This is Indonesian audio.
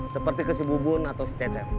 seperti kesibubun atau sececem